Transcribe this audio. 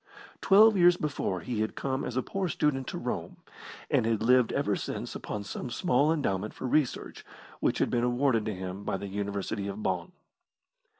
Twelve years before he had come as a poor student to Rome, and had lived ever since upon some small endowment for research which had been awarded to him by the University of Bonn.